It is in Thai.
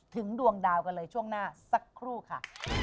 ดวงดาวกันเลยช่วงหน้าสักครู่ค่ะ